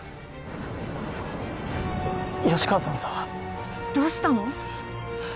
☎吉川さんさどうしたの？